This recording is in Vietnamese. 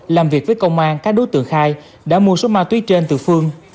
làm việc với công an các đối tượng khai đã mua số ma túy trên từ phương